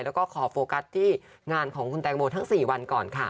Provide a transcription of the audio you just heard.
แล้วก็ขอโฟกัสที่งานของคุณแตงโมทั้ง๔วันก่อนค่ะ